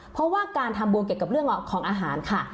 เพราะว่าการทำบุญเกี่ยวกับเรื่องของอาหารค่ะ